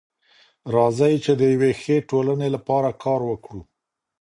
راځئ چي د يوې ښې ټولني لپاره کار وکړو.